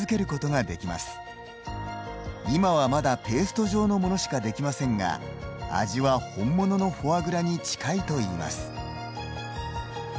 今はまだペースト状のものしかできませんが味は本物のフォアグラに近いといいます。